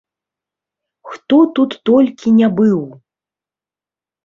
Хто тут толькі не быў!